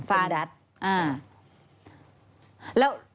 แล้ว